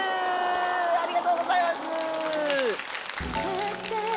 ありがとうございます。